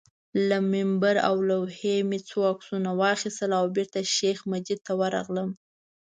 له منبر او لوحې مې څو عکسونه واخیستل او بېرته شیخ مجید ته ورغلم.